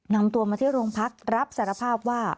นำตัวมาที่โรงพักรับสารภาพว่า